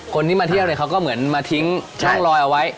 คนที่มาเที่ยวเนี่ยเขาก็เหมือนมาทิ้งช่องลอยเอาไว้